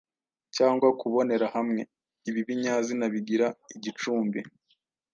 cyangwa kubonera hamwe. Ibi binyazina bigira igicumbi .